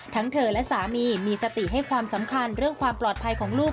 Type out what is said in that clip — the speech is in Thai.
ทั้งเธอและสามีมีสติให้ความสำคัญเรื่องความปลอดภัยของลูก